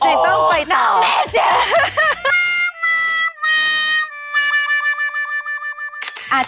จริงต้องไปต่อ